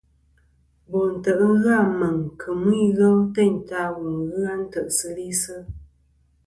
Bo ntè' ghɨ Meŋ kemɨ ighel teynta wu ghɨ a ntè'sɨlisɨ.